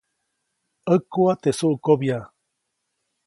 ʼÄkuʼa teʼ suʼkobya.